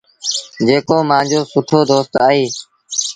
جيڪو مآݩجو سُٺو دوست اهي۔